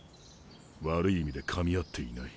悪い意味でかみ合っていない。